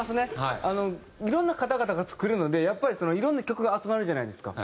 いろんな方々が作るのでやっぱりそのいろんな曲が集まるじゃないですか。